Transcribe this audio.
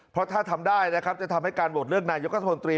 เพราะถ้าทำได้นะครับจะทำให้การโหวตเลือกนายกัธมนตรี